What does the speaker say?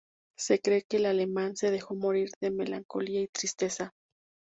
Se cree que el alemán se dejó morir de melancolía y tristeza.